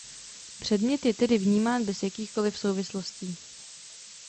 Předmět je tedy vnímán bez jakýchkoliv souvislostí.